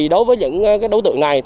đối với những đối tượng này